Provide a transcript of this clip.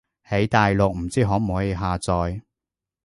喺大陸唔知可唔可以下載